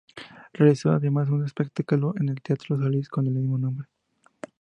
Realizó además un espectáculo en el Teatro Solis con el mismo nombre.